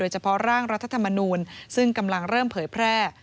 เฉพาะร่างรัฐธรรมนูลซึ่งกำลังเริ่มเผยแพร่